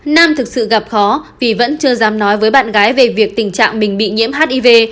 nam thực sự gặp khó vì vẫn chưa dám nói với bạn gái về việc tình trạng mình bị nhiễm hiv